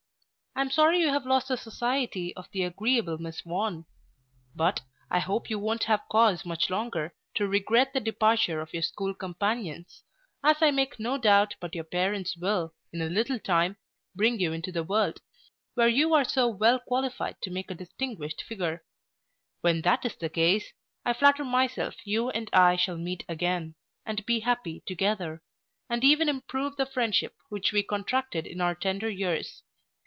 I am sorry you have lost the society of the agreeable Miss Vaughn; but, I hope you won't have cause much longer to regret the departure of your school companions, as I make no doubt but your parents will, in a little time, bring you into the world, where you are so well qualified to make a distinguished figure. When that is the case, I flatter myself you and I shall meet again, and be happy together; and even improve the friendship which we contracted in our tender years.